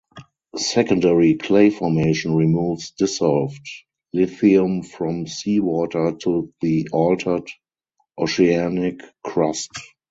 Secondary clay formation removes dissolved lithium from sea water to the altered oceanic crust.